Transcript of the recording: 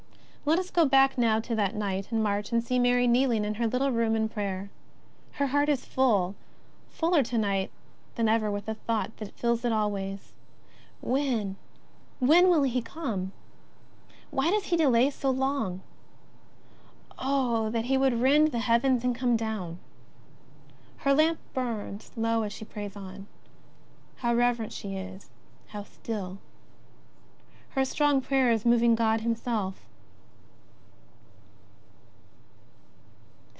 Let us go back now to that night in March and see . Mary kneeling in her little room in prayer. Her heart is full, fuller to night than ever with the thought that fills it always. When, when will He come ? Why does He delay so long? Oh, that He would rend the heavens and come down! Her lamp burns low as she prays on. How reverent she is, how still. Her strong prayer is moving God Himself.